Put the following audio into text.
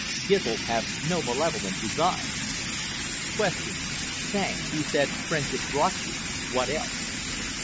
GIZLS HAVE NO MALEVOLENT DESIGNS Q. THANKS. YOU SAID FRIENDSHIP BROUGHT YOU. WHAT ELSE.